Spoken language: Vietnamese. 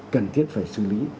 cần thiết phải xử lý